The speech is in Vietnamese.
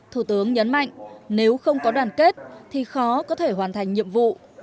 thủ tướng nhấn mạnh nếu không có đoàn kết thì khó có thể hoàn thành nhiệm vụ